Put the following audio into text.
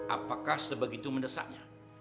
apakah sebegitu mendesaknya